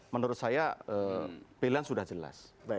menurut saya pilihan sudah jelas